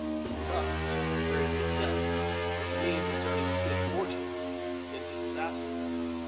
Thus his very success was the means of turning his good fortune into disaster.